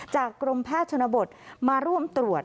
กรมแพทย์ชนบทมาร่วมตรวจ